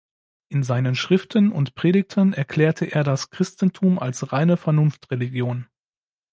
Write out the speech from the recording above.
In seinen Schriften und Predigten erklärte er das Christentum als reine Vernunftreligion.